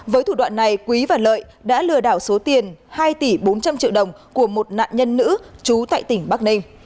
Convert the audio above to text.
với thủ đoạn này quý và lợi đã lừa đảo số tiền hai tỷ bốn trăm linh triệu đồng của một nạn nhân nữ trú tại tỉnh bắc ninh